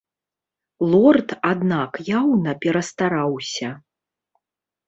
Лорд, аднак, яўна перастараўся.